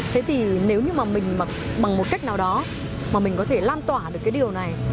thế thì nếu như mà mình bằng một cách nào đó mà mình có thể lan tỏa được cái điều này